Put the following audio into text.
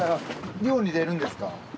漁に出るんですか？